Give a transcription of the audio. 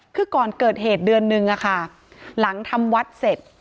คือก่อนเกิดเหตุเดือนนึงอะค่ะหลังทำวัดเสร็จ